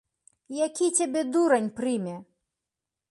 Які цябе дурань прыме?